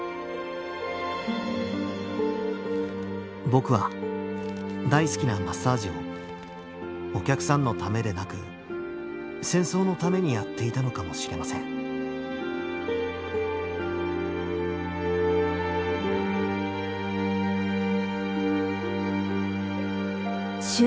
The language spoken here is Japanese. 僕は大好きなマッサージをお客さんのためでなく戦争のためにやっていたのかもしれません終